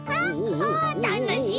あたのしい！